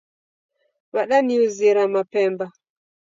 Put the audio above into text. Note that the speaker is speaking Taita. Wadaniuzira mapemba .